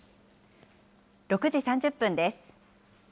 ６時３０分です。